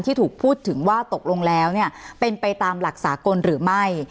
ที่ถูกพูดถึงว่าตกลงแล้วเนี่ยเป็นไปตามหลักสากลหรือไม่